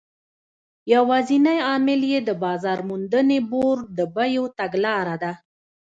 یوازینی عامل یې د بازار موندنې بورډ د بیو تګلاره ده.